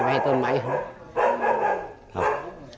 ทำไมเราถึงเอาไปกินเอาไม้คะ